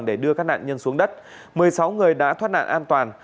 để đưa các nạn nhân xuống đất một mươi sáu người đã thoát nạn an toàn